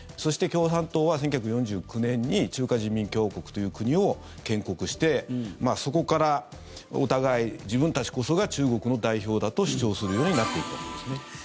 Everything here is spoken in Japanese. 共産党は１９４９年に中華人民共和国という国を建国してそこから、お互い自分たちこそが中国の代表だと主張するようになっていくわけですね。